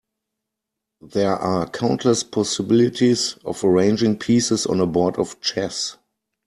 There are countless possibilities of arranging pieces on a board of chess.